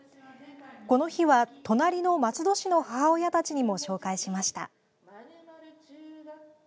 この日は、隣の松戸市の母親たちにも紹介しました。